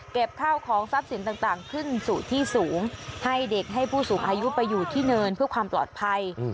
ข้าวของทรัพย์สินต่างขึ้นสู่ที่สูงให้เด็กให้ผู้สูงอายุไปอยู่ที่เนินเพื่อความปลอดภัย